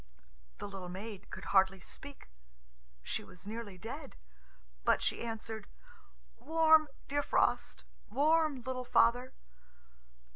The little maid could hardly speak. She was nearly dead, but she answered, "Warm, dear Frost; warm, little father."